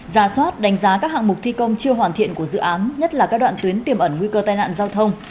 ra soát đánh giá các hạng mục thi công chưa hoàn thiện của dự án nhất là các đoạn tuyến tiềm ẩn nguy cơ tai nạn giao thông